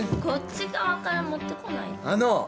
こっち側から持ってこないと。